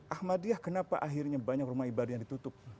ahmadiyah kenapa akhirnya banyak rumah ibadah yang ditutup